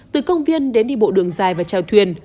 từ công viên đến đi bộ đường dài và chào thuyền